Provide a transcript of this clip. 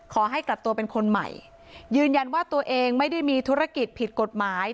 ขอให้กลับตัวเป็นคนใหม่ยืนยันว่าตัวเองไม่ได้มีธุรกิจผิดกฎหมาย